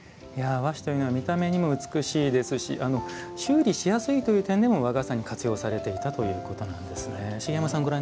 和紙というのは見た目も美しいですし修理しやすいという点でも和傘に活用されていたということだったんですね。